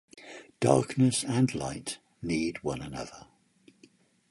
Darkness and light need one another.